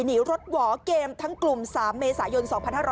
หนีรถหวอเกมทั้งกลุ่ม๓เมษายน๒๕๖๐